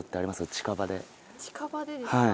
近場でですか？